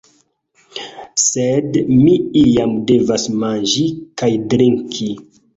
Sed mi iam devas manĝi kaj trinki.